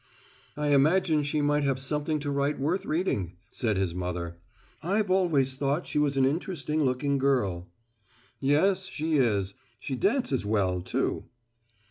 "I imagine she might have something to write worth reading," said his mother. "I've always thought she was an interesting looking girl." "Yes, she is. She dances well, too."